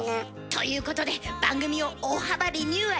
ということで番組を大幅リニューアル。